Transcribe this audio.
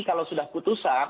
kalau sudah putusan